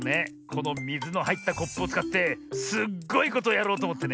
このみずのはいったコップをつかってすっごいことをやろうとおもってねえ。